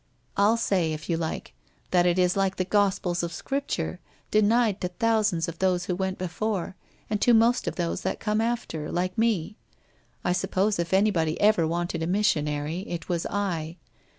I'll say, if you like, that it is like the gospel of Scripture, denied to thousands of those who went before, and to most of those that come after, like me. I suppose if anybody ever wanted a missionary, it was I.